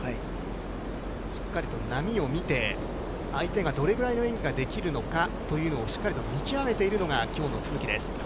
しっかりと波を見て相手がどれくらいの演技ができるのかというのをしっかりと見極めているのが今日の都筑です。